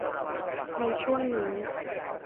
ในช่วงนี้